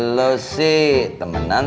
lu sih temenan